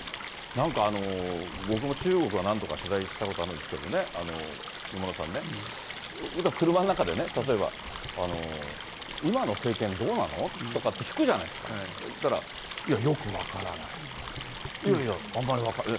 なんかあの、僕も中国、何度か取材したことあるんですけどね、野村さんね、車の中でね、例えば、今の政権どうなの？とかって聞くじゃないですか、そうしたらよく分からない、いやいや、あんまり分からない。